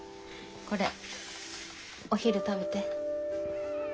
これお昼食べて。